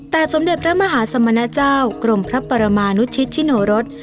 แต่สมเด็จพระมหาสมณเจ้ากรมพระปรมานุชิตชิโนรส